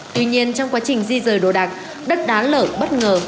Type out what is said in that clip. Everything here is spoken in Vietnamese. tuy nhiên trong quá trình di rời đồ đạc đất đá lở bất ngờ